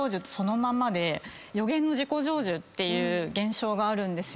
予言の自己成就っていう現象があるんですよ。